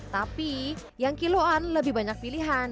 tapi yang kiloan lebih banyak pilihan